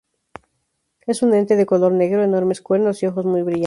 Es un ente de color negro, enormes cuernos y ojos muy brillantes.